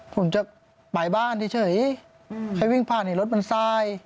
ผมจะไปบ้านเฉยใครวิ่งผ่านนี่รถมันทราย